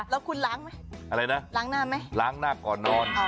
แล้วคุณล้างไหมล้างหน้าก่อนนอน